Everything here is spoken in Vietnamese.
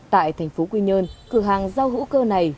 tại thành phố quy nhơn cửa hàng rau hữu cơ này